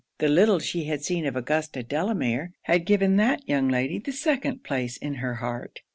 The little she had seen of Augusta Delamere, had given that young lady the second place in her heart.